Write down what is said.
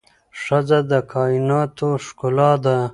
ښځه د کائناتو ښکلا ده